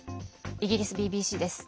イギリスＢＢＣです。